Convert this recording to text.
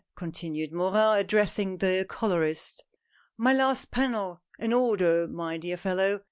continued Morin, addressing " the colorist." " My last panel — an order, my dear fellow.